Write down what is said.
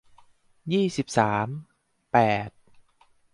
ยี่สิบสาม แปด